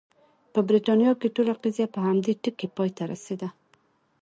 په برېټانیا کې ټوله قضیه په همدې ټکي پای ته رسېده.